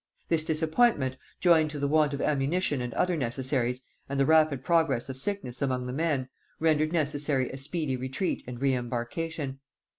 This disappointment, joined to the want of ammunition and other necessaries, and the rapid progress of sickness among the men, rendered necessary a speedy retreat and re embarkation.